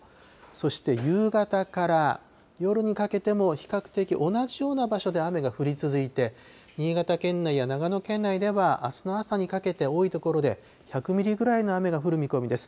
そして、夕方から夜にかけても、比較的同じような場所で雨が降り続いて、新潟県内や長野県内では、あすの朝にかけて多い所で１００ミリぐらいの雨が降る見込みです。